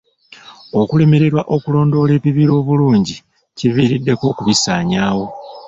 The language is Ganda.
Okulemererwa okulondoola ebibira obulungi kiviiriddeko okubisaanyaawo.